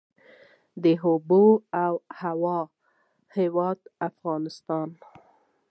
د اوبو او هوا هیواد افغانستان.